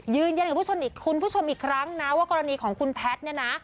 ยืนยันกับผู้ชมอีกคุณผู้ชมอีกครั้งนะว่ากรณีของคุณแพทย์เนี่ยนะ